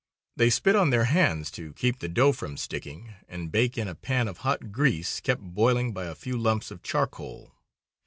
They spit on their hands to keep the dough from sticking, and bake in a pan of hot grease, kept boiling by a few lumps of charcoal.